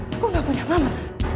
aku gak punya mama